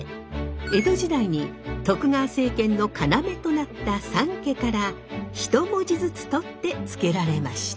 江戸時代に徳川政権の要となった三家から一文字ずつ取って付けられました。